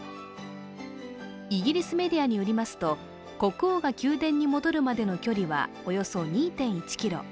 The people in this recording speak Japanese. イギリスメディアによりますと国王が宮殿に戻るまでの距離はおよそ２．１ｋｍ。